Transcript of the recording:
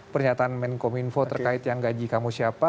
pernyataan menko minfo terkait yang gaji kamu siapa